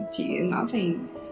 chị nói phải